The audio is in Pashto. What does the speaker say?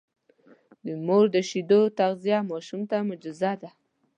د مور د شیدو تغذیه ماشوم ته معجزه ده.